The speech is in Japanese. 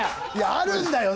あるんだよ。